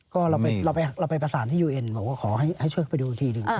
ก็เราไปประสานที่ยูเอ็นหมอก็ขอให้ช่วยเข้าไปดูดีจริง